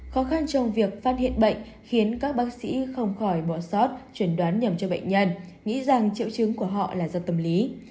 khó khăn trong việc phát hiện bệnh khiến các bác sĩ không khỏi bỏ sót chuẩn đoán nhầm cho bệnh nhân nghĩ rằng triệu chứng của họ là do tâm lý